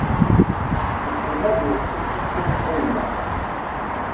Nesselmad i uqcic tutlayt tayemmat.